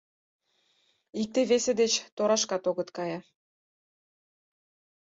Икте-весе деч торашкат огыт кае.